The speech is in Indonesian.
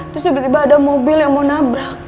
terus tiba tiba ada mobil yang mau nabrak